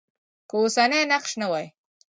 که اوسنی نقش نه وای.